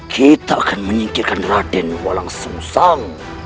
kita akan menyingkirkan raden walang sung sang